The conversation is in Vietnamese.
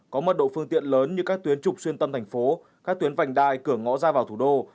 có mật độ phương tiện lớn như các tuyến trục xuyên tâm thành phố các tuyến vành đai cửa ngõ ra vào thủ đô